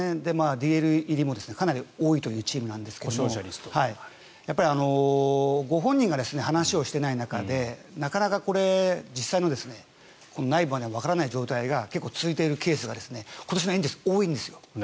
ＤＬ入りも多いというチームなんですがご本人が話をしてない中でなかなか実際の内部までわからない状態が結構続いているケースが今年のエンゼルスは多いんです。